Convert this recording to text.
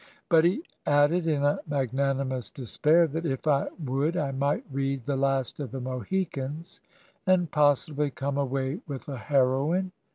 But he added, in a magnanimous despair, that if I would I might read "The Last of the Mohicans," and possi bly come away with a heroine.